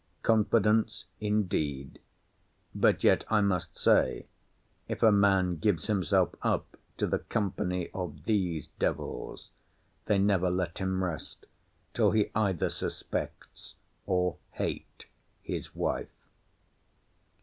Confidence indeed! But yet, I must say, if a man gives himself up to the company of these devils, they never let him rest till he either suspects or hate his wife.